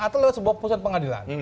atau lewat sebuah putusan pengadilan